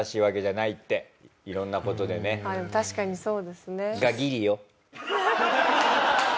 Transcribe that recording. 確かにそうですね。